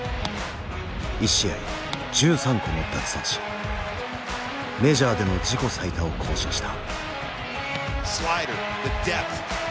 １試合１３個の奪三振メジャーでの自己最多を更新した。